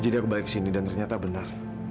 jadi aku balik sini dan ternyata benar